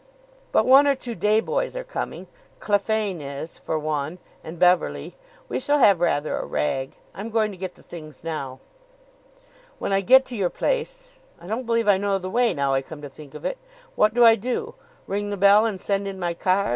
"But one or two day boys are coming. Clephane is, for one. And Beverley. We shall have rather a rag. I'm going to get the things now." "When I get to your place I don't believe I know the way, now I come to think of it what do I do? Ring the bell and send in my card?